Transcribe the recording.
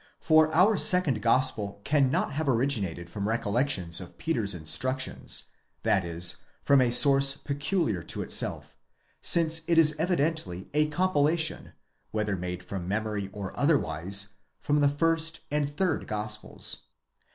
For our second Gospel cannot have originated from recollections of Peter's instructions, i.e., from a source peculiar to itself, since it is evidently a compilation, whether made from memory or otherwise, from the first and third Gospels.?